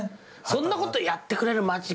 そんなことやってくれる街